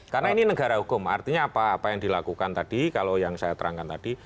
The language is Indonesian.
karena ini negara hukum artinya apa yang dilakukan tadi kalau yang saya terangkan tadi